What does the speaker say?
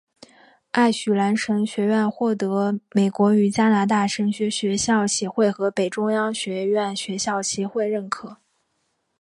爱许兰神学院或得美国与加拿大神学学校协会和北中央学院学校协会认可。